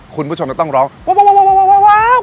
คนผู้ชมจะต้องร้องว่าววววววววววววววว